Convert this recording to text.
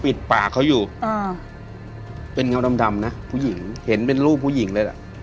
ปิดปากเขาอยู่อ่าเป็นเงาดำนะผู้หญิงเห็นเป็นรูปผู้หญิงเลยล่ะ